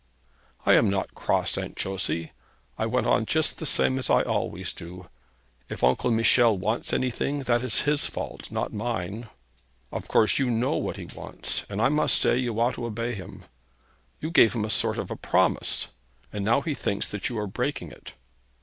'I am not cross, Aunt Josey. I went on just the same as I always do. If Uncle Michel wants anything else, that is his fault; not mine.' 'Of course you know what he wants, and I must say that you ought to obey him. You gave him a sort of a promise, and now he thinks that you are breaking it.'